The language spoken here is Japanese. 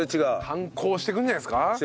反抗してくるんじゃないですか？